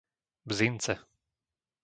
Bzince